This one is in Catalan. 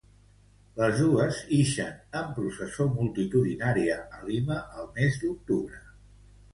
Les dos ixen en processó multitudinària a Lima al mes d'octubre.